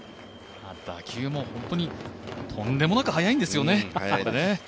打球も本当にとんでもなく速いんですよね。